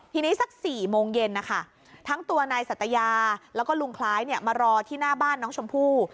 ทีนี้สัก๔โมงเย็นนะคะทั้งตัวนายสัตยาแล้วก็ลุงคล้ายมารอที่หน้าบ้านน้องชมพู่